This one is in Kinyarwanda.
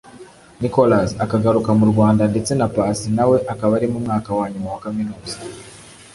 Nicolas akagaruka mu Rwanda ndetse na Paccy nawe akaba ari mu mwaka wa nyuma wa Kaminuza